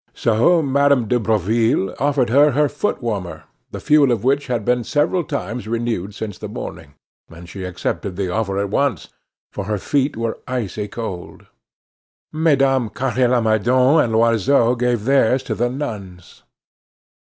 So Madame de Breville offered her her foot warmer, the fuel of which had been several times renewed since the morning, and she accepted the offer at once, for her feet were icy cold. Mesdames Carre Lamadon and Loiseau gave theirs to the nuns.